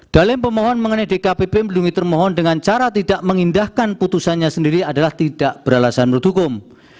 dalam pemohon mengenai dkpp melindungi termohon dengan cara tidak mengindahkan putusannya sendiri adalah tidak beralasan menurut hukum